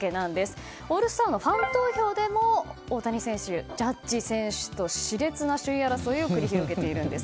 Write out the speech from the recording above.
オールスターのファン投票でも大谷選手、ジャッジ選手と熾烈な首位争いを繰り広げているんです。